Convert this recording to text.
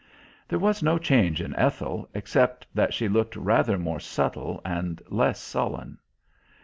There was no change in Ethel, except that she looked rather more subtle and less sullen.